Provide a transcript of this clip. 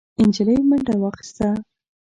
نجلۍ منډه واخيسته،